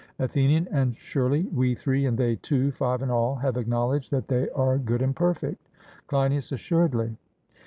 ATHENIAN: And surely we three and they two five in all have acknowledged that they are good and perfect? CLEINIAS: Assuredly.